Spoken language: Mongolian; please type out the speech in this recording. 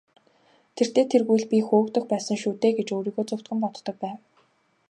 Тэртэй тэргүй л би хөөгдөх байсан шүү дээ гэж өөрийгөө зөвтгөн боддог байв.